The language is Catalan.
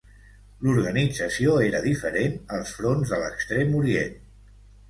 L'organització era diferent als fronts de l'Extrem Orient.